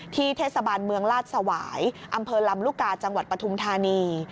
เทศบาลเมืองลาดสวายอำเภอลำลูกกาจังหวัดปฐุมธานี